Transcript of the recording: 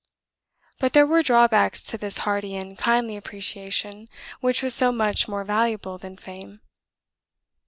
But there were drawbacks to this hearty and kindly appreciation which was so much more valuable than fame.